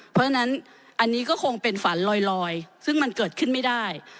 เพราะฉะนั้นอันนี้ก็คงเป็นฝันลอยซึ่งมันเกิดขึ้นไม่ได้